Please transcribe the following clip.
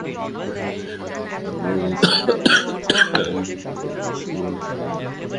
পশুপক্ষীদের সহিত আমাদের তফাত এই যে, আমাদের মত তাহাদের ঈশ্বর বলিয়া কিছু নাই।